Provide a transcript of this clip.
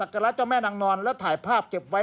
กระเจ้าแม่นางนอนแล้วถ่ายภาพเก็บไว้